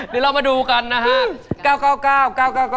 นี่เรามาดูกันนะครับ